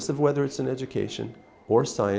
chúng ta muốn gì